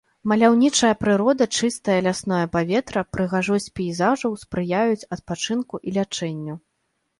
Маляўнічая прырода, чыстае лясное паветра, прыгажосць пейзажаў спрыяюць адпачынку і лячэнню.